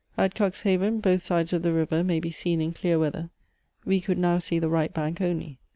At Cuxhaven both sides of the river may be seen in clear weather; we could now see the right bank only.